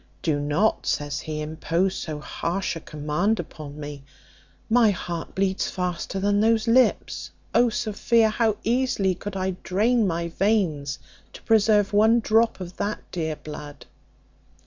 "Do not," says he, "impose so harsh a command upon me my heart bleeds faster than those lips. O Sophia, how easily could I drain my veins to preserve one drop of that dear blood."